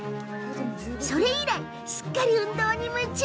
それ以来、すっかり運動に夢中。